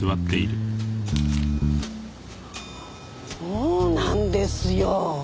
そうなんですよ。